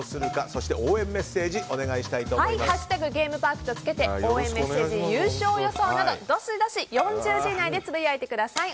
そして応援メッセージ「＃ゲームパーク」とつけて応援メッセージ、優勝予想などどしどし４０字以内でつぶやいてください。